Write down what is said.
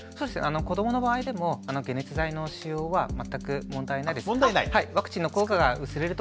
子どもの場合でも解熱剤の使用は全く問題ないです。